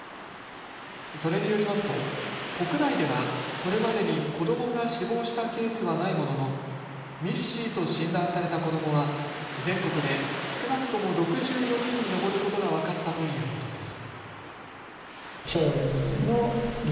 それによりますと国内ではこれまでに子どもが死亡したケースはないもののＭＩＳーＣと診断された子どもは全国で少なくとも６４人に上ることが分かったということです。